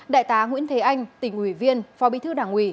đại tá nguyễn thế anh tỉnh ủy viên phó bí thư đảng ủy